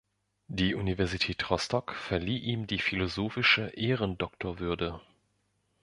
Die Universität Rostock verlieh ihm die philosophische Ehrendoktorwürde.